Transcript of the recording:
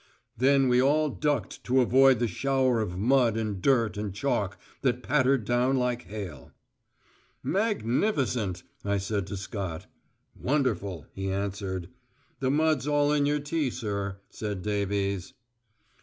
Then we all ducked to avoid the shower of mud and dirt and chalk that pattered down like hail. "Magnificent," I said to Scott. "Wonderful," he answered. "The mud's all in your tea, sir," said Davies.